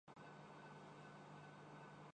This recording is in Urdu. گھر میں باغبانی